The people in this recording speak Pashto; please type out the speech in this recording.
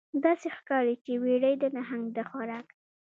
داسې ښکاري چې بیړۍ د نهنګ د خوراک